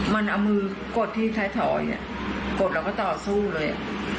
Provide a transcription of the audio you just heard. มันเอามือกดที่ถอยกดเราก็ต่อสู้เลย